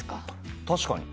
確かに。